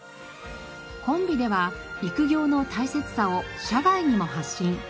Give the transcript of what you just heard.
コンビでは育業の大切さを社外にも発信。